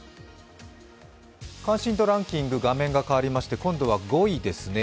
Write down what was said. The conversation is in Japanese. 関心度ランキング、画面が変わりまして今度は５位ですね。